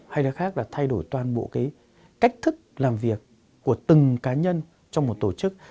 hay là khác là thay đổi toàn bộ cái cách thức làm việc của từng cá nhân trong một tổ chức